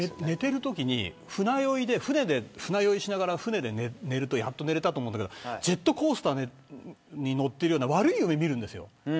寝てるときに、船酔いで船で、船酔いしながら船で寝るとやっと寝れたと思うんだけどジェットコースターに乗っているような悪い夢を見るんですよ。